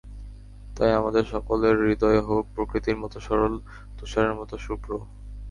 তাই আমাদের সকলের হৃদয় হোক, প্রকৃতির মতো সরল, তুষারের মতো শুভ্র।